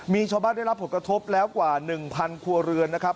มีชาวบ้านได้รับผลกระทบแล้วกว่า๑๐๐ครัวเรือนนะครับ